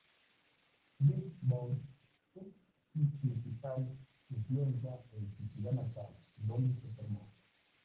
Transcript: Dirk Bouts fue su principal influencia en su ciudad natal, donde se formó.